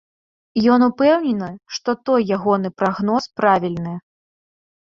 Ён упэўнены, што той ягоны прагноз правільны.